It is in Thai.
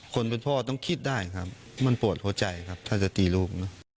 คนเป็นพ่อต้องคิดได้ครับมันปวดหัวใจครับถ้าจะตีลูกนะ